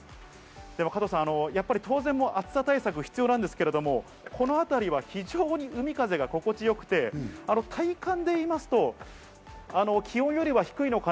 加藤さん、当然暑さ対策が必要なんですけど、このあたりは非常に海風が心地よくて、体感で言いますと、気温よりは低いのか